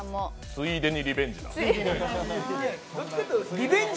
ついでにリベンジ。